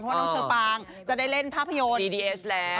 เพราะว่าน้องเชอร์ปางจะได้เล่นภาพยนตร์